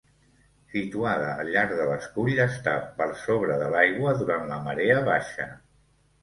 Situada al llarg de l'escull està per sobre de l'aigua durant la marea baixa.